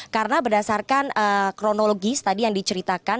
karena berdasarkan kronologis tadi yang diceritakan